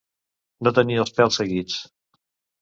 No tenir els pèls seguits.